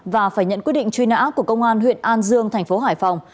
và phải nhận quyết định truy nã của công an huyện an dương thành phố hải phòng